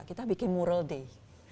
kita bikin mural day